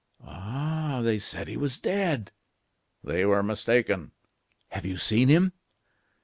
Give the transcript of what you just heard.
"Ah! they said he was dead." "They were mistaken." "Have you seen him?"